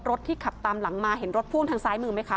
ที่ขับตามหลังมาเห็นรถพ่วงทางซ้ายมือไหมคะ